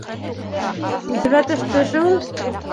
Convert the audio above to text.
— Иҫемә төштө шул.